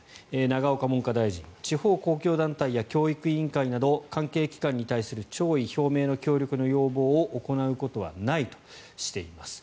永岡文部科学大臣地方公共団体や教育委員会など関係機関に対する弔意表明の協力の要望を行うことはないとしています。